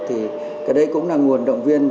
thì cái đấy cũng là nguồn động viên